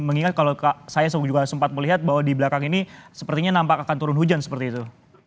mengingat kalau saya juga sempat melihat bahwa di belakang ini sepertinya nampak akan turun hujan seperti itu